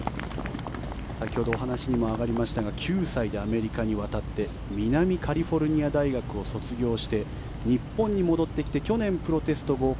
先ほど話にも上がりましたが９歳でアメリカにわたって南カリフォルニア大学を卒業して日本に戻ってきて去年、プロテスト合格